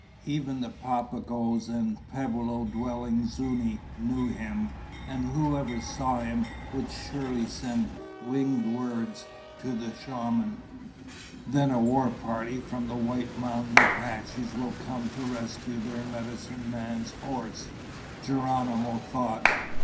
Even the Papagoes and pueblo dwelling Zuñi knew him, and whoever saw him would surely send winged words to the shaman. "Then a war party from the White Mountain Apaches will come to rescue their medicine man's horse," Geronimo thought.